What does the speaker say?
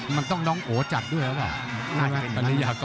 มันต้องน้องโอจัดด้วยหรือเปล่า